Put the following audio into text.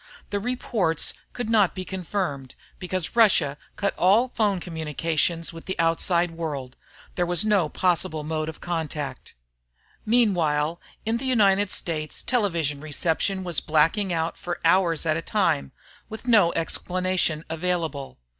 The reports could not be confirmed because Russia had cut all phone communication with the outside world. There was no possible mode of contact. Meanwhile, in the United States, television reception was blacking out for hours at a time, with no explanation available.